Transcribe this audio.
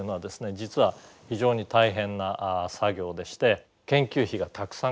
実は非常に大変な作業でして研究費がたくさんかかりました。